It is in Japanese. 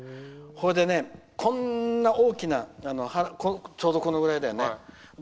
それで、こんな大きなちょうどこのぐらい。